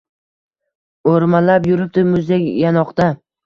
O‘rmalab yuribdi muzdek yanoqda